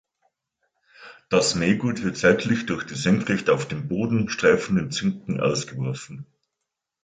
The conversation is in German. Das Mähgut wird seitlich durch die senkrecht auf dem Boden streifenden Zinken ausgeworfen.